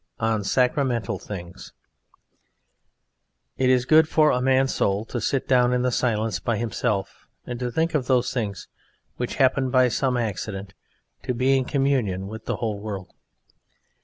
ON SACRAMENTAL THINGS It is good for a man's soul to sit down in the silence by himself and to think of those things which happen by some accident to be in communion with the whole world.